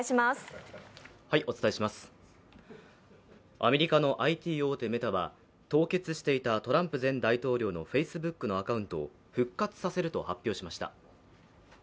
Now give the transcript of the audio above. アメリカのＩＴ大手メタは凍結していたトランプ前大統領のＦａｃｅｂｏｏｋのアカウントを復活させると発表しました。